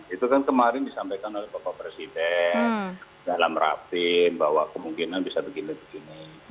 itu kan kemarin disampaikan oleh bapak presiden dalam rapim bahwa kemungkinan bisa begini begini